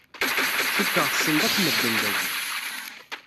Cukkeɣ tessneḍ akk medden dayi.